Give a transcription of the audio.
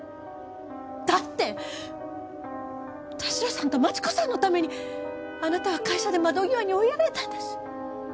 だって田代さんと万智子さんのためにあなたは会社で窓際に追いやられたんだし。